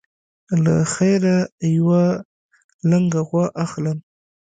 له خیره یوه لنګه غوا اخلم.